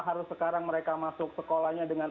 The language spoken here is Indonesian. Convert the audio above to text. karena sekarang mereka masuk sekolahnya dengan